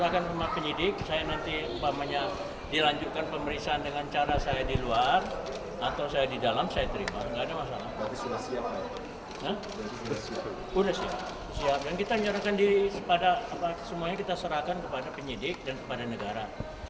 kiflan mengaku siap menjawab pertanyaan yang diajukan penyidik polri